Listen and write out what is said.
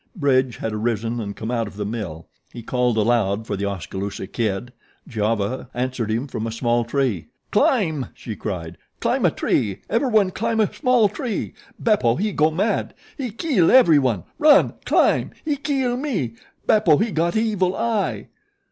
Bridge had arisen and come out of the mill. He called aloud for The Oskaloosa Kid. Giova answered him from a small tree. "Climb!" she cried. "Climb a tree! Ever'one climb a small tree. Beppo he go mad. He keel ever'one. Run! Climb! He keel me. Beppo he got evil eye."